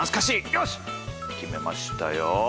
よし決めましたよ。